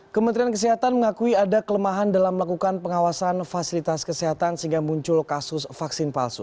kementerian kesehatan mengakui ada kelemahan dalam melakukan pengawasan fasilitas kesehatan sehingga muncul kasus vaksin palsu